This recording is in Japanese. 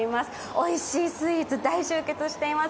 おいしいスイーツ、大集結しています。